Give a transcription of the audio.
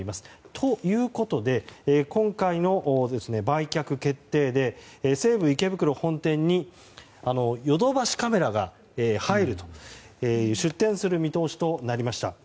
ということで、今回の売却決定で西武池袋本店にヨドバシカメラが出店する見通しとなりました。